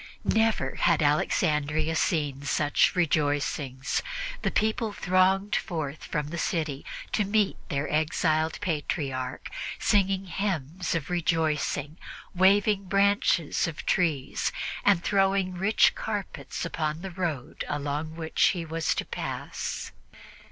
Never had Alexandria seen such rejoicings. The people thronged forth from the city to meet their exiled Patriarch, singing hymns of rejoicing, waving branches of trees and throwing rich carpets upon the road along which he was to pass.